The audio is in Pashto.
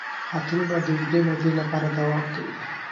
عطرونه د اوږدې مودې لپاره دوام کوي.